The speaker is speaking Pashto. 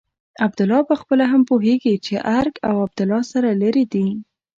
عبدالله پخپله هم پوهېږي چې ارګ او عبدالله سره لرې دي.